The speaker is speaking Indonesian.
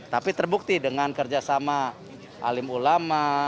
tapi terbukti dengan kerjasama alim ulama